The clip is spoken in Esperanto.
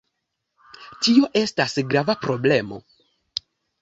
Tio estas grava problemo.